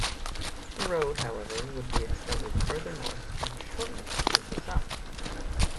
The road, however, would be extended further north and shortened to the south.